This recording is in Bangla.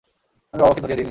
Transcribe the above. আমি বাবাকে ধরিয়ে দিইনি।